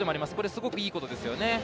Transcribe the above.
すごくいいことですよね。